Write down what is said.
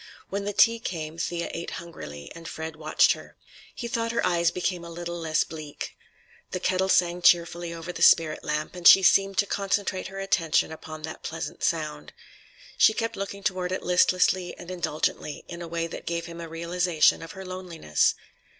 When the tea came Thea ate hungrily, and Fred watched her. He thought her eyes became a little less bleak. The kettle sang cheerfully over the spirit lamp, and she seemed to concentrate her attention upon that pleasant sound. She kept looking toward it listlessly and indulgently, in a way that gave him a realization of her loneliness.